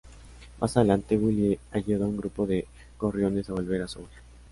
Más adelante, Willy ayuda a un grupo de gorriones a volver a su hogar.